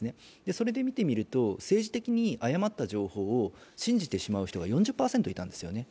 それで見てみると、政治的に誤った情報を信じてしまう人が４０％いたんですよね。